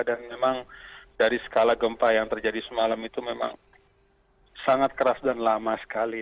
dan memang dari skala gempa yang terjadi semalam itu memang sangat keras dan lama sekali